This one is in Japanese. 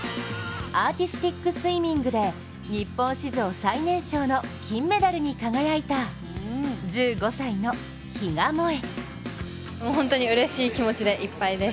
アーティスティックスイミングで日本史上最年少の金メダルに輝いた１５歳の比嘉もえ。